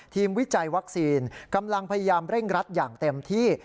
วิจัยวัคซีนกำลังพยายามเร่งรัดอย่างเต็มที่